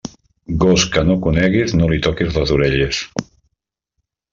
Gos que no conegues, no li toques les orelles.